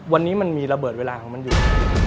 วันนี้มันมีระเบิดเวลาของมันอยู่